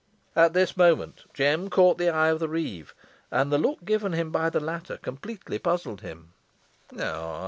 At this moment Jem caught the eye of the reeve, and the look given him by the latter completely puzzled him.